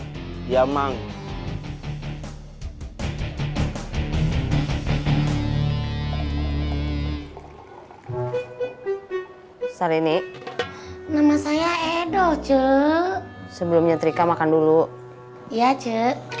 hai yamang salini nama saya edo ce sebelumnya trika makan dulu ya ce